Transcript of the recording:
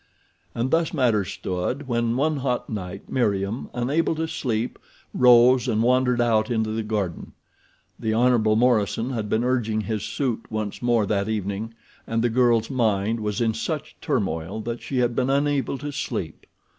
And thus matters stood when, one hot night, Meriem, unable to sleep, rose and wandered out into the garden. The Hon. Morison had been urging his suit once more that evening, and the girl's mind was in such a turmoil that she had been unable to sleep.